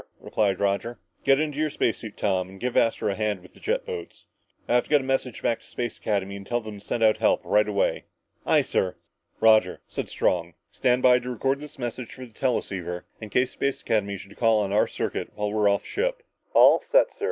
'" "Yes, sir!" replied Roger. "Get into your space suit, Tom, and give Astro a hand with the jet boats. I have to get a message back to Space Academy and tell them to send out help right away." "Aye, sir," said Tom. "Roger," said Strong, "stand by to record this message for the teleceiver in case Space Academy should call our circuit while we're off the ship."